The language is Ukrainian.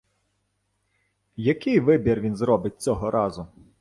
Який вибір він зробить цього разу?